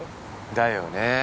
だよね。